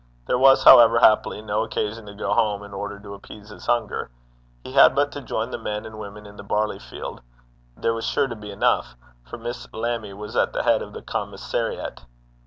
There was, however, happily no occasion to go home in order to appease his hunger; he had but to join the men and women in the barley field: there was sure to be enough, for Miss Lammie was at the head of the commissariat.